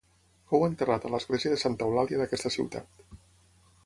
Fou enterrat a l'església de Santa Eulàlia d'aquesta ciutat.